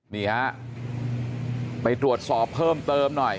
นี่ฮะไปตรวจสอบเพิ่มเติมหน่อย